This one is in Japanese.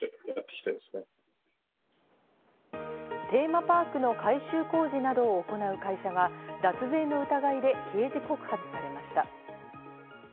テーマパークの改修工事などを行う会社が脱税の疑いで刑事告発されました。